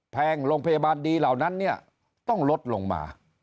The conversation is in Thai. แพงโรงพยาบาลดีเหล่านั้นเนี่ยต้องลดลงมา